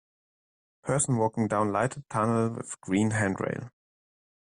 Person walking down lighted tunnel with green handrail.